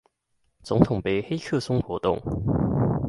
總統盃黑客松活動